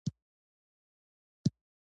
دولتي ورځپاڼې څوک لوالي؟